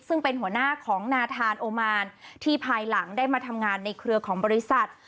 ซึ่งเป็นหัวหน้าของนาธานโอมานที่ภายหลังได้มาทำงานในเครือของบริษัท